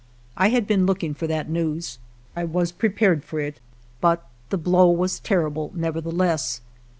I had been looking for that news. I was prepared for it ; but the blow was terrible, nevertheless.